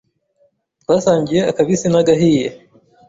twasangiye akabisi n’agahiye.